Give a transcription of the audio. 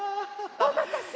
おまたせ！